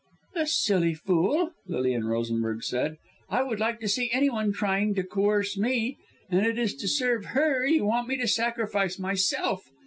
"The silly fool!" Lilian Rosenberg said. "I would like to see any one trying to coerce me. And it is to serve her you want me to sacrifice myself."